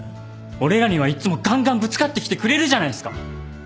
俺らにはいっつもガンガンぶつかってきてくれるじゃないっすか。